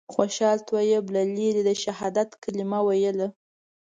خوشحال طیب له لرې د شهادت کلمه ویله.